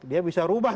dia bisa rubah